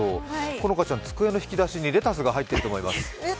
好花ちゃん、机の引き出しにレタスが入っていると思います。